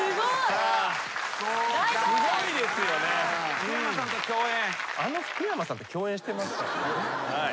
福山さんと共演。